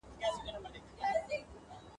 وئیل یې یو عذاب د انتظار په نوم یادېږي !.